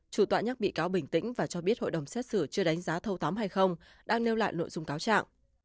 chủ tọa nhắc bị cáo bình tĩnh và cho biết hội đồng xét xử chưa đánh giá thâu tóm hay không đang nêu lại nội dung cáo trạng